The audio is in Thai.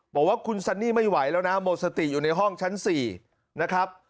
บอกว่าคุณซันนี่ไม่ไหวแล้วนะหมดสติอยู่ในห้องชั้น๔นะครับ